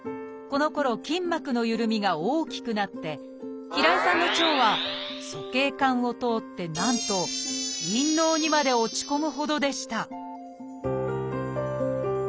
このころ筋膜のゆるみが大きくなって平井さんの腸は鼠径管を通ってなんと陰嚢にまで落ち込むほどでした